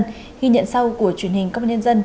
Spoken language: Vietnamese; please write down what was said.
ghi nhận sau của truyền hình công an nhân dân